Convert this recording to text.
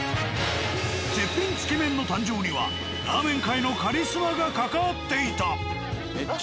絶品つけ麺の誕生にはラーメン界のカリスマが関わっていた。